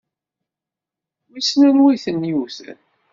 Wissen anwa i tent-yewwten?